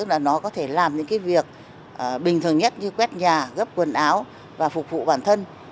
là nó có thể làm những cái việc bình thường nhất như quét nhà gấp quần áo và phục vụ bản thân